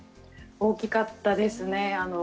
大きかったですね。